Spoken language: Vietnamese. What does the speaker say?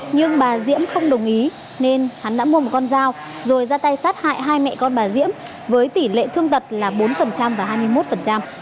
nhưng bà diễm không đồng ý nên hắn đã mua một con dao rồi ra tay sát hại hai mẹ con bà diễm với tỷ lệ thương tật là bốn và hai mươi một